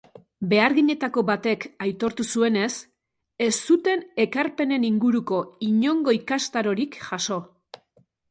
Beharginetako batek aitortu zuenez, ez zuten ekarpenen inguruko inongo ikastarorik jaso.